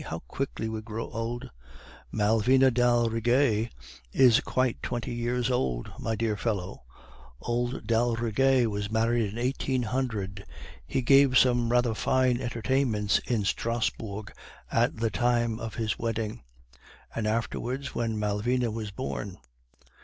How quickly we grow old!' "'Malvina d'Aldrigger is quite twenty years old, my dear fellow. Old d'Aldrigger was married in 1800. He gave some rather fine entertainments in Strasbourg at the time of his wedding, and afterwards when Malvina was born.